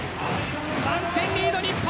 ３点リード日本